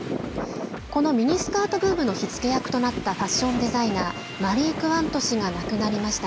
このミニスカートブームの火付け役となったファッションデザイナーマリー・クワント氏が亡くなりました。